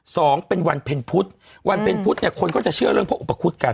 สองเป็นวันเพ็ญพุธวันเป็นพุทธเนี่ยคนก็จะเชื่อเรื่องพระอุปคุฎกัน